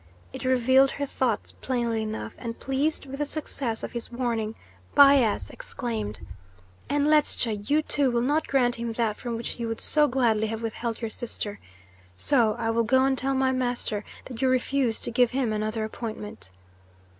It revealed her thoughts plainly enough, and, pleased with the success of his warning, Bias exclaimed: "And Ledscha, you, too, will not grant him that from which you would so gladly have withheld your sister. So I will go and tell my master that you refuse to give him another appointment."